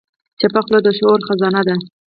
چپه خوله، د شعور خزانه ده.